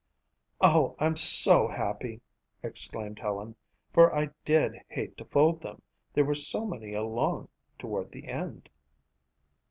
"Oh, I'm so happy," exclaimed Helen, "for I did hate to fold them. There were so many along toward the end."